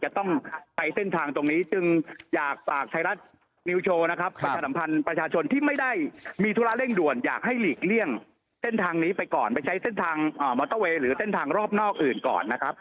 จะต้องไปเส้นทางตรงนี้จึงอยากฝากไทยรัฐนิวโชว์นะครับประชาสัมพันธ์ประชาชนที่ไม่ได้มีธุระเร่งด่วนอยากให้หลีกเลี่ยงเส้นทางนี้ไปก่อนไปใช้เส้นทางมอเตอร์เวย์หรือเส้นทางรอบนอกอื่นก่อนนะครับ